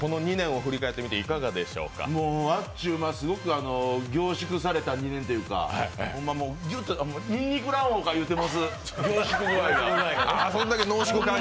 あっちゅうま、本当すごく凝縮された２年というか、にんにく卵黄かって言うてます、凝縮具合が。